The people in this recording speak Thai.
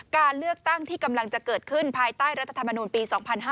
การเลือกตั้งที่กำลังจะเกิดขึ้นภายใต้รัฐธรรมนูลปี๒๕๕๙